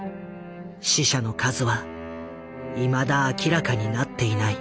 死者の数はいまだ明らかになっていない。